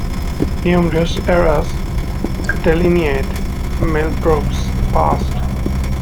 Numerous eras delineate Millbrook's past.